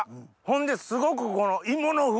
ほんですごくこのいもの風味